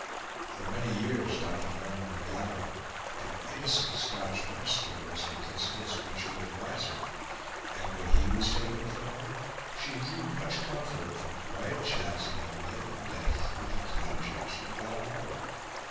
For many years Dr. Norman Macleod, an innocent Scotch minister, was her principal spiritual adviser; and, when he was taken from her, she drew much comfort from quiet chats about life and death with the cottagers at Balmoral.